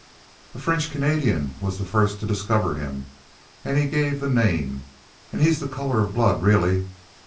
"A French Canadian was the first to discover him, and he gave the name. And he's the color of blood, really.